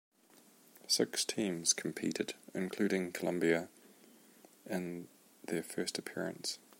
Six teams competed, including Colombia in their first appearance.